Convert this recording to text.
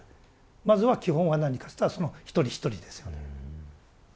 まずは基本は何かといったらその一人一人ですよね。